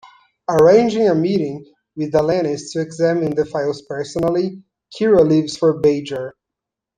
Arranging a meeting with Alenis to examine the files personally, Kira leaves for Bajor.